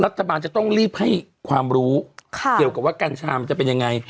รัฐบาลจะต้องรีบให้ความรู้เกี่ยวกับว่ากัญชามันจะเป็นยังไง